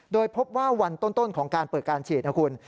โดยพบว่าวันต้นของการเปิดการฉีดนะคุณ